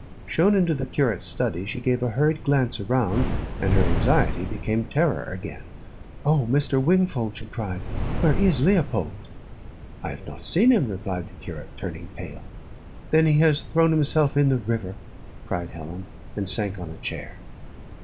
Shown into the curate's study, she gave a hurried glance around, and her anxiety became terror again. "Oh! Mr. Wingfold," she cried, "where is Leopold?" "I have not seen him," replied the curate, turning pale. "Then he has thrown himself in the river!" cried Helen, and sank on a chair.